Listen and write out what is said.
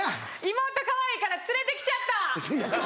妹かわいいから連れてきちゃった！